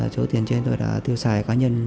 chỗ tiền trên tôi đã tiêu xài cá nhân